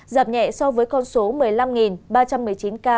giảm nhẹ so với con số một mươi năm ba trăm một mươi chín ca